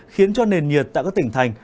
khiến cho nền nhiệt tại các tỉnh thành